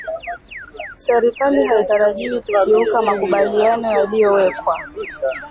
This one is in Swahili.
serikali haitarajiwi kukiuka makubaliano yaliyowekwa